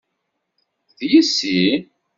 D yessi?